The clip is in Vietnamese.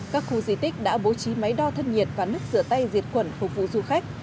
các khu di tích đã bố trí máy đo thất nhiệt và nước sửa tay diệt quẩn phục vụ du khách